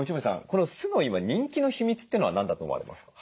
この酢の今人気の秘密ってのは何だと思われますか？